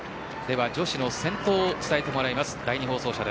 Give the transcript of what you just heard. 女子の先頭を伝えてもらいます。